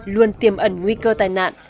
luôn tiềm ẩn nguy cơ tai nạn